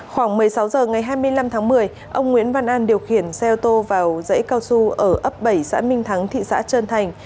khoảng một mươi sáu h ngày hai mươi năm tháng một mươi ông nguyễn văn an điều khiển xe ô tô vào dãy cao su ở ấp bảy xã minh thắng thị xã trơn thành